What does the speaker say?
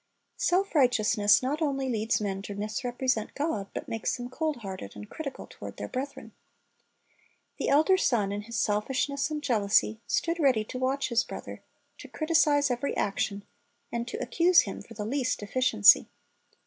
Self righteousness not only leads men to misrepresent God, but makes them cold hearted and critical toward their brethren. The elder son, in his selfishness and jealousy, stood ready to watch his brother, to criticize every action, and to accuse him for the least deficiency.